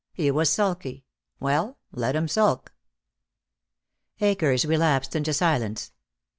He was sulky. Well, let him sulk. Akers relapsed into silence.